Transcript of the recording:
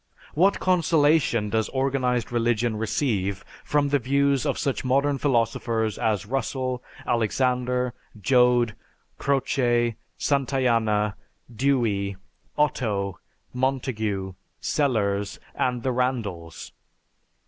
What consolation does organized religion receive from the views of such modern philosophers as Russell, Alexander, Joad, Croce, Santayana, Dewey, Otto, Montague, Sellars, and the Randalls?